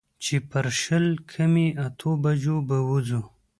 چې پر شل کمې اتو بجو به وځو.